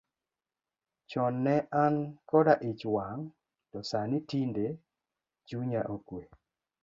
Chon ne an koda ich wang', to sani tinde chuya okwe.